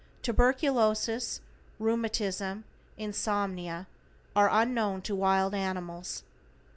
Tuberculosis, rheumatism, insomnia are unknown to wild animals.